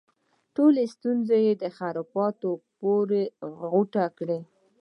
ټولې ستونزې خرافاتو پورې غوټه کوي.